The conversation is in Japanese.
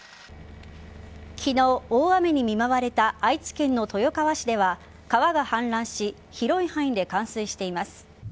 昨日、大雨に見舞われた愛知県の豊川市では川が氾濫し広い範囲で冠水しています。